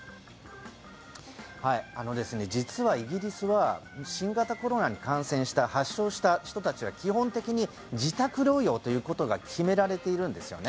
実はイギリスは新型コロナに感染した、発症した人たちは基本的に自宅療養ということが決められているんですね。